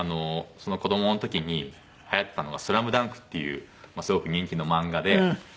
子どもの時にはやってたのが『ＳＬＡＭＤＵＮＫ』っていうすごく人気の漫画で。